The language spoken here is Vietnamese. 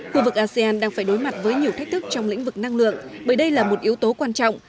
khu vực asean đang phải đối mặt với nhiều thách thức trong lĩnh vực năng lượng bởi đây là một yếu tố quan trọng